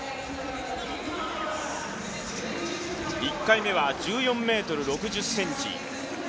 １回目は１４ｍ６０ｃｍ